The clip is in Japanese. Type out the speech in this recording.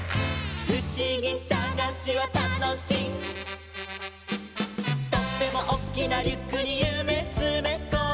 「ふしぎさがしはたのしい」「とってもおっきなリュックにゆめつめこんで」